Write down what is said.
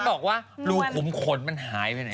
บอกว่ารูขุมขนมันหายไปไหน